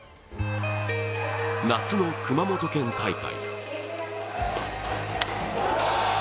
夏の熊本県大会。